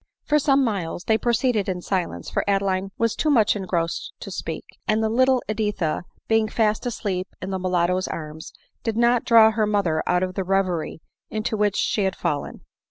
For some miles they proceeded in silence, for Adeline was too much engrossed to speak ; and the little Editha, being fast asleep in the mulatto's arms, did not draw her mother out of the reverie into which she had fallen.